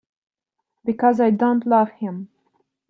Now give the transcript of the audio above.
Because I don't love him.